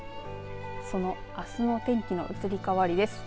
そのあすの天気の移り変わりです。